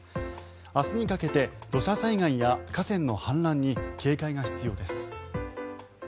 明日にかけて土砂災害や河川の氾濫に警戒が必要です。